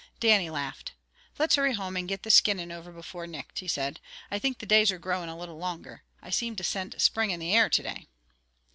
Dannie laughed. "Let's hurry home, and get the skinning over before nicht," he said. "I think the days are growing a little longer. I seem to scent spring in the air to day."